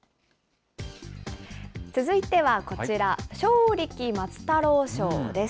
続いてはこちら、正力松太郎賞です。